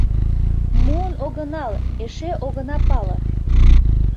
— Муын огынал, эше огына пале...